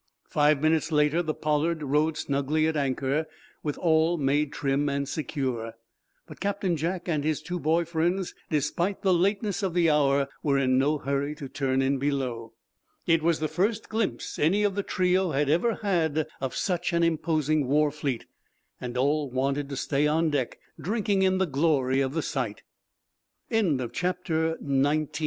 Five minutes later the "Pollard" rode snugly at anchor, with all made trim and secure. But Captain Jack and his two boy friends, despite the lateness of the hour, were in no hurry to turn in below. It was the first glimpse any of the trio had ever had of such an imposing war fleet, and all wanted to stay on deck drinking in the glory of the sight. CHAPTER XX "ONE ON" THE WATCH OFF